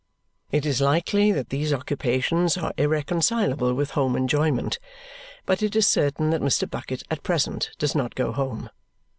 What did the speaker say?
It is likely that these occupations are irreconcilable with home enjoyment, but it is certain that Mr. Bucket at present does not go home.